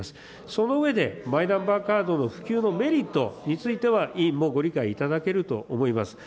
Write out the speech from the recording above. その上で、マイナンバーカードの普及のメリットについては委員もご理解いただけると思います。